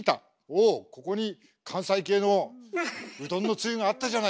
おおここに関西系のうどんのつゆがあったじゃないか。